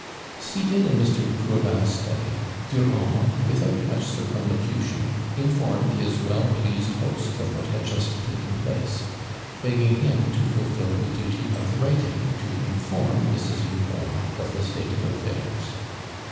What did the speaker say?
Seated in Mr. de Courval's study, Durand, without much circumlocution, informed his well pleased host of what had just taken place, begging him to fulfil the duty of writing to inform Mrs. Lubois of the state of affairs.